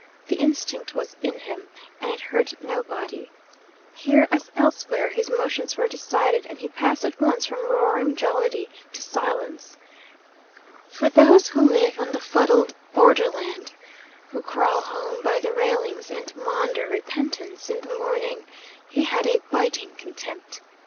The instinct was in him, and it hurt nobody. Here, as elsewhere, his motions were decided, and he passed at once from roaring jollity to silence. For those who live on the fuddled borderland, who crawl home by the railings and maunder repentance in the morning, he had a biting contempt.